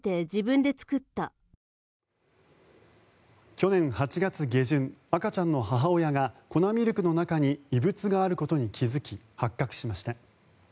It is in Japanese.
去年８月下旬赤ちゃんの母親が粉ミルクの中に異物があることに気付き発覚しました。